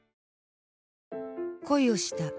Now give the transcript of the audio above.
恋をした。